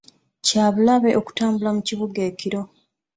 Kya bulabe okutambula mu kibuga ekiro.